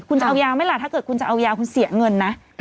คุณจะเอายาไหมล่ะถ้าเกิดคุณจะเอายาคุณเสียเงินนะ